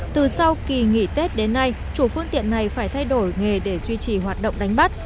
từ sau kỳ nghỉ tết đến nay chủ phương tiện này phải thay đổi nghề để duy trì hoạt động đánh bắt